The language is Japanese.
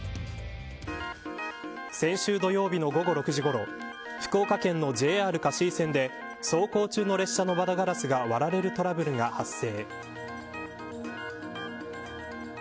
先週土曜日の午後６時ごろ福岡県のＪＲ香椎線で走行中の列車の窓ガラスが割られるトラブルが発生。